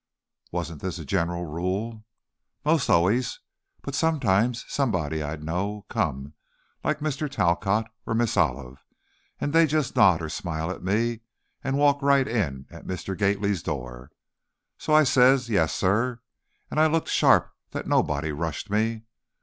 '" "Wasn't this a general rule?" "'Most always; but sometimes somebody I'd know'd come, like Mr. Talcott or Miss Olive, and they'd just nod or smile at me and walk right in at Mr. Gately's door. So I says, 'Yes, sir,' and I looked sharp that nobody rushed me.